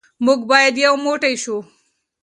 موږ باید یو موټی شو.